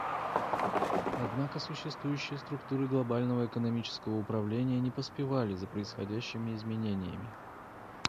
Однако существующие структуры глобального экономического управления не поспевали за происходящими изменениями.